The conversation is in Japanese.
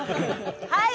はい！